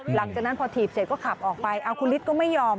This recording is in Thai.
หลังจากนั้นพอถีบเสร็จก็ขับออกไปคุณฤทธิ์ก็ไม่ยอม